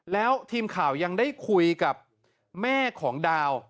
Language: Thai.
แล้วทีมข่าวยังได้คุยกับแม่ของดาว